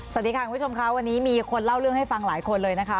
สวัสดีค่ะคุณผู้ชมค่ะวันนี้มีคนเล่าเรื่องให้ฟังหลายคนเลยนะคะ